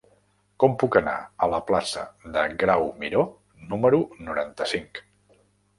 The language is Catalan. Com puc anar a la plaça de Grau Miró número noranta-cinc?